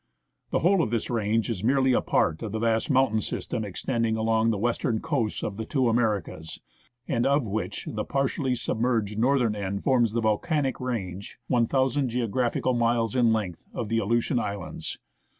The whole of this range is merely a part of the vast mountain system extending along the western coasts of the two Americas, and of which the partly submerged northern end forms the volcanic 42 CHURCH AT SITKA. FROM JUNEAU TO YAKUTAT range (r.ooo geographical miles in length) of the Aleutian Islands.